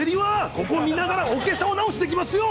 ここ見ながら、お化粧直しできますよ。